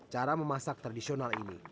cara memasak tradisional ini